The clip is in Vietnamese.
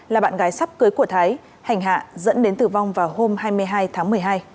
là bạn gái sắp cưới của thái hành hạ dẫn đến tử vong vào hôm hai mươi hai tháng một mươi hai